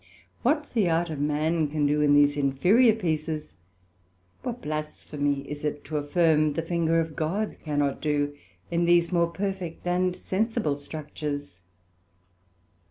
What the Art of man can do in these inferiour pieces, what blasphemy is it to affirm the finger of God cannot do in these more perfect and sensible structures?